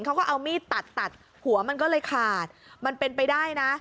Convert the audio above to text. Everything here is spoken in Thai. เขาก็เอามีดตัดตัดหัวมันก็เลยขาดมันเป็นไปได้นะ